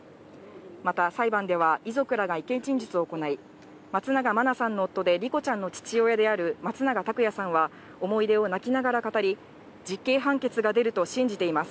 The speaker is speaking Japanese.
また、裁判では遺族らが意見陳述を行い、松永真菜さんの夫で莉子ちゃんの父親である松永拓也さんは、思い出を泣きながら語り、実刑判決が出ると信じています。